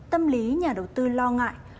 tâm lý nhà đầu tư lo ngại